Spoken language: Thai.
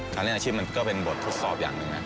อาชีพเล่นอาชีพมันก็เป็นบททดสอบอย่างหนึ่งนะ